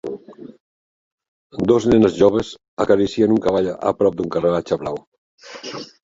Dos nenes joves acaricien un cavall a prop d'un carruatge blau.